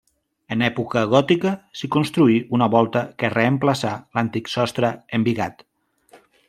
En època gòtica s'hi construí una volta que reemplaçà l'antic sostre embigat.